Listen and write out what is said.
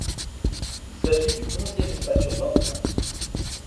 Il s'agit du onzième espace urbain de France.